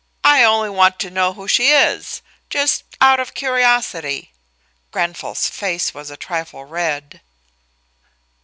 I only want to know who she is just out of curiosity." Grenfall's face was a trifle red.